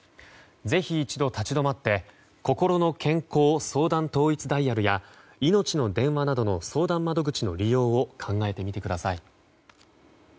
ぜひ一度立ち止まってこころの健康相談統一ダイヤルやいのちの電話などの相談窓口の利用を考えてみてください。